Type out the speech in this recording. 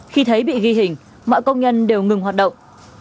khi thấy bị ghi hình mọi công nhân đều ngừng hoạt động